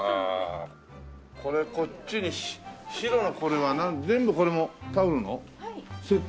これこっちに白のこれは全部これもタオルのセット？